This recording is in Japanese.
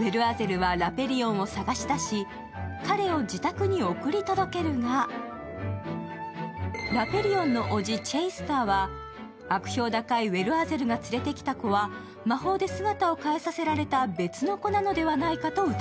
ウェルアゼルはラペリオンを探し出し、彼を自宅に送り届けるがラペリオンの伯父・チェイスターは悪評高いウェルアゼルが連れてきた子は魔法で姿を変えさせられた別の子なのではないかと疑う。